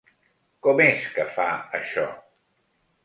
Com és que fa això?